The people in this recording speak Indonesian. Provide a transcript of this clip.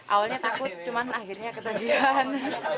awalnya takut cuman akhirnya ketagihan